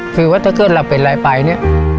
คือว่าถ้าเกิดหลับเป็นหลายปลายเนี่ย